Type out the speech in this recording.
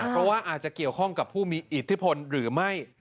เพราะว่าอาจจะเกี่ยวข้องกับผู้มีอิทธิพลหรือไม่